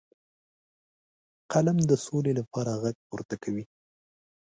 قلم د سولې لپاره غږ پورته کوي